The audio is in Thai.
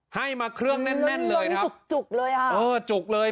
ให้มาเครื่องแน่นเลยจุกเลย